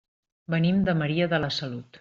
Venim de Maria de la Salut.